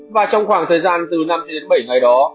và trong khoảng thời gian từ năm đến bảy ngày đó